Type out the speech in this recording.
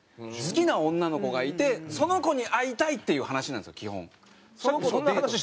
好きな女の子がいてその子に会いたいっていう話なんですよ基本。